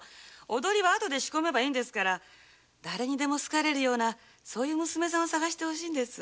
踊りは後で仕込めばいいんですから誰にでも好かれるようなそういう娘さんを探して欲しいんです。